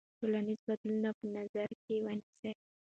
ټولنیز بدلونونه په نظر کې ونیسئ.